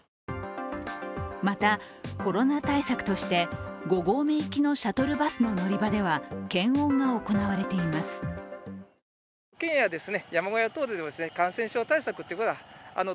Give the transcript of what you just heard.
また、コロナ対策として五合目行きのシャトルバスの乗り場では検温が行われています。